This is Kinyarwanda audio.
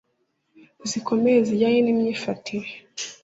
zikomeye zijyanye ni myifatire